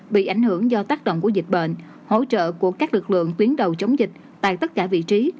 bị ảnh hưởng do tác động của dịch bệnh hỗ trợ của các lực lượng tuyến đầu chống dịch tại tất cả vị trí